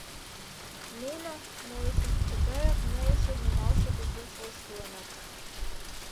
Нуно, нойышо, тыгаяк нойышо нумалше почеш ошкылыныт.